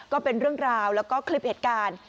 ก็เป็นเรื่องราวแล้วก็คลิปเหตุการณ์